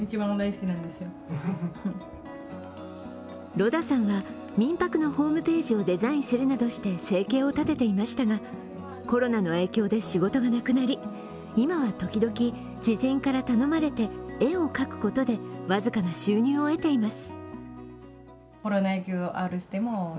ロダさんは民泊のホームページをデザインするなどして生計を立てていましたが、コロナの影響で仕事がなくなり今は時々、知人から頼まれて絵を描くことで僅かな収入を得ています。